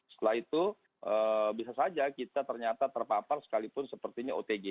setelah itu bisa saja kita ternyata terpapar sekalipun sepertinya otg